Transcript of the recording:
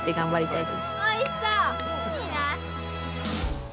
いいな！